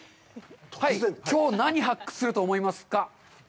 きょう、何発掘すると思いますか？